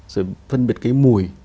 rồi phân biệt cái mùi